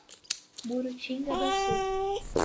Murutinga do Sul